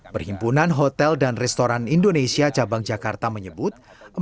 perhimpunan hotel dan restoran indonesia cabang jakarta menyebut